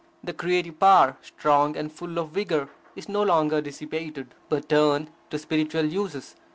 The creative power, strong and full of vigour, is no longer dissipated, but turned to spiritual uses.